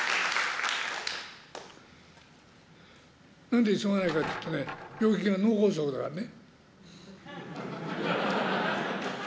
何で急がないかというとね病気が脳梗塞だからね。